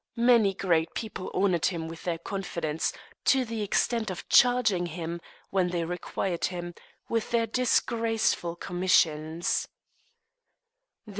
Many great people honoured him with their confidence, to the extent of charging him, when they required him, with their disgraceful commissions.